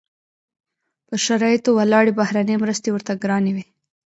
پر شرایطو ولاړې بهرنۍ مرستې ورته ګرانې وې.